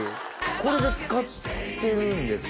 これで漬かってるんですか？